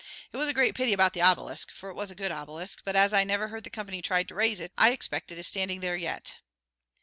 It was a great pity about the obelisk, for it was a good obelisk, but as I never heard the company tried to raise it, I expect it is standing there yet."